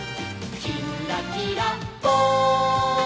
「きんらきらぽん」